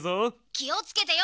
「きをつけてよ